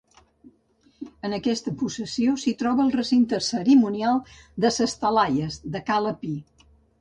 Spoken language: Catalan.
En aquesta possessió s'hi troba el recinte cerimonial de Ses Talaies de Cala Pi.